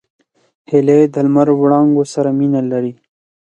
هیلۍ د لمر وړانګو سره مینه لري